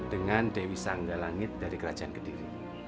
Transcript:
dengan dewi sanggalangit dari kerajaan kediri